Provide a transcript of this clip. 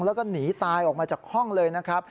แล้วก็หนีตายออกมาจากห้องเลยนะครับ